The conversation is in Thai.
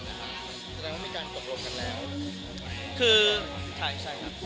สำหรับที่มีการตกลงกันแล้วคือใช่ใช่ครับ